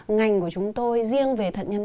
ngành của chúng tôi riêng về thận nhân tạo